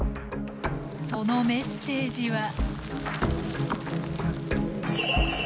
そのメッセージは。